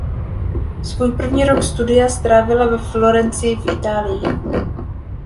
Svůj první rok studia strávila ve Florencii v Itálii.